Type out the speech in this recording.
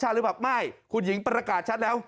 อะไรเหรอแบบไม่คุณหญิงปราการชัดแล้ว